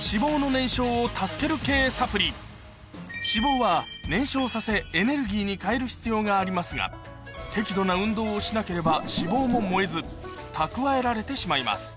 脂肪は燃焼させエネルギーに変える必要がありますが適度な運動をしなければ脂肪も燃えず蓄えられてしまいます